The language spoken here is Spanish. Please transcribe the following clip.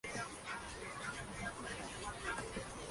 Lisboa, indefensa, se rindió dos días más tarde.